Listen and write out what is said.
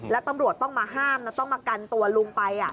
แล้วตำรวจต้องมาห้ามแล้วต้องมากันตัวลุงไป